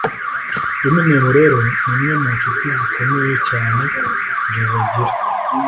Eminem rero ni umwe mu nshuti zikomeye cyane Jay-Z agira